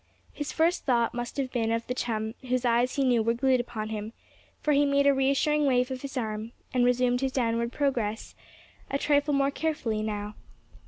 His first thought must have been of the chum whose eyes he knew were glued upon him; for he made a reassuring wave of his arm, and resumed his downward progress, a trifle more carefully now.